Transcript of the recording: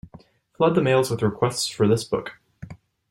Flood the mails with requests for this book.